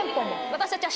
私たちは。